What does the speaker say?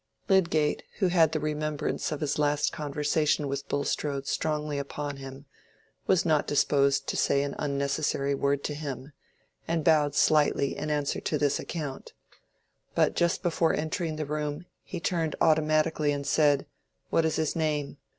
Lydgate, who had the remembrance of his last conversation with Bulstrode strongly upon him, was not disposed to say an unnecessary word to him, and bowed slightly in answer to this account; but just before entering the room he turned automatically and said, "What is his name?"